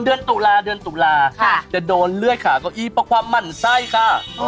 โดนเดือนตุลาจะโดนเลื่อยขาก็อีปะความหมั่นไส้ค่ะ